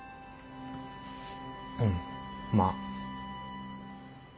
うんまあ。